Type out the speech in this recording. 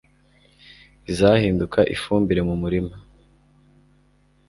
izahinduka ifumbire mu murima